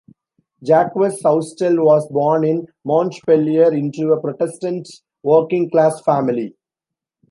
Jacques Soustelle was born in Montpellier, into a Protestant working-class family.